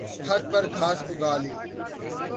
ھت پر گھاس اگا لی